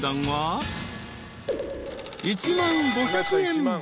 ［１万５００円］